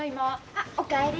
あお帰り。